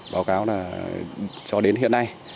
báo cáo là cho đến hiện nay